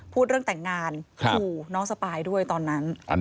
พูดเรื่องแต่งงานขู่น้องสปายด้วยตอนนั้น